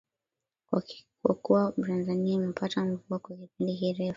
Kwa kuwa Tanzania imepata mvua kwa kipindi kirefu